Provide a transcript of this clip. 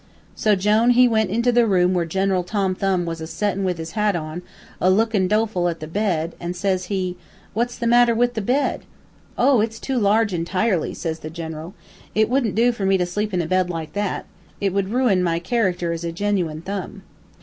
"So Jone he went into the room where General Tom Thumb was a settin' with his hat on, a lookin' doleful at the bed, an' says he: "'What's the matter with the bed?' "'Oh, it's too large entirely,' says the General. 'It wouldn't do for me to sleep in a bed like that. It would ruin my character as a genuine Thumb.'